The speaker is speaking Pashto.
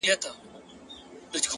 صبر د نامناسب وخت زیان کموي،